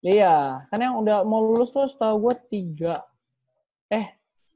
iya kan yang udah mau lulus tuh setahu gue tiga eh